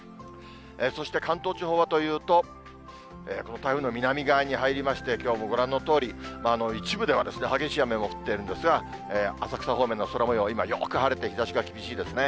そして関東地方はというと、この台風の南側に入りまして、きょうもご覧のとおり、一部では激しい雨も降っているんですが、浅草方面の空もよう、今、よく晴れて日ざしが厳しいですね。